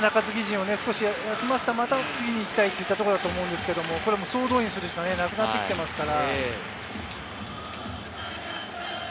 中継ぎ陣を少し休ませて次に行きたいというところだと思うんですけれど、総動員するしかなくなってますから。